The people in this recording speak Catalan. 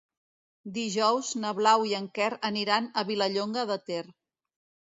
Dijous na Blau i en Quer aniran a Vilallonga de Ter.